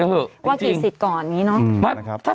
ว่ากี่สิทธิ์ก่อนเนี่ยเนอะ